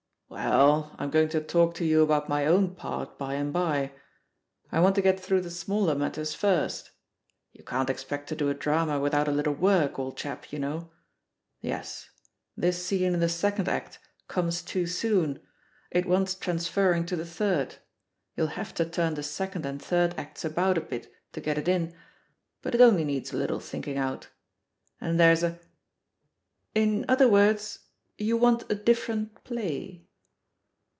Well, I'm going to talk to you about my own part by and by — I want to get through the smaller matters first. You can't expect to do a drama without a little work, old chap, you know! Yes I this scene in the second act comes too soon, it wants transferring to the third — ^you'll have to turn the second and third acts about a bit to get it in, but it only needs a little thinking out. And there^s a " In other words, you want a different play?'